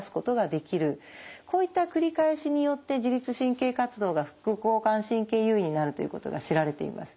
こういった繰り返しによって自律神経活動が副交感神経優位になるということが知られています。